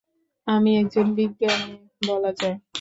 আমি একজন বিজ্ঞানী বলা যায়।